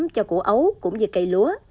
cho củ ấu cũng như cây lúa